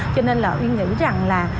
cho nên là uyên nghĩ rằng là